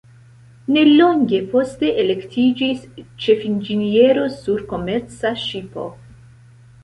Nelonge poste elektiĝis ĉefinĝeniero sur komerca ŝipo.